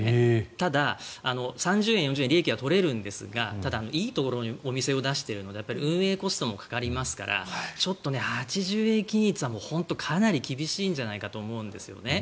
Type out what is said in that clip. ただ、３０円、４０円利益は取れるんですがいいところにお店を出しているので運用コストもかかりますから８０円均一はかなり厳しいんじゃないかと思うんですよね。